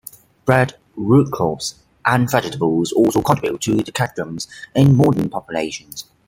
Bread, root crops, and vegetables also contribute to the cadmium in modern populations.